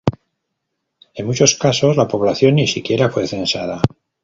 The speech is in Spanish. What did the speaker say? En muchos casos la población ni siquiera fue censada.